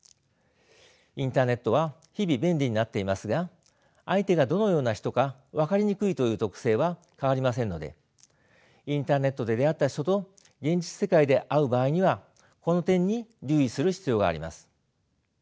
インターネットは日々便利になっていますが相手がどのような人か分かりにくいという特性は変わりませんのでインターネットで出会った人と現実世界で会う場合にはこの点に留意する必要があります。